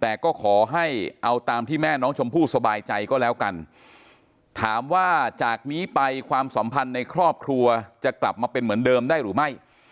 แต่ก็ขอให้เอาตามที่แม่น้องชมพู่สบายใจก็แล้วกันถามว่าจากนี้ไปความสัมพันธ์ในครอบครัวจะกลับมาเป็นเหมือนเดิมได้หรือไม่